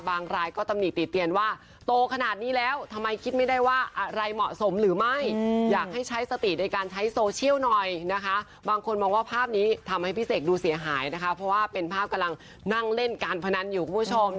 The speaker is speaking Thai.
บางรายก็ตำหนี่ติเตียนว่าโตขนาดนี้แล้ว